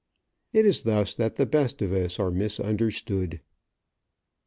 It is thus that the best of us are misunderstood.